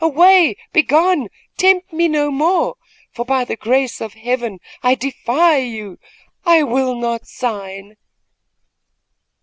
Away! begone! tempt me no more, for, by the grace of Heaven, I defy you! I will not sign!"